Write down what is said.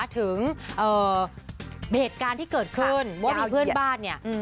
ถึงเหตุการณ์ที่เกิดขึ้นว่ามีเพื่อนบ้านเนี่ย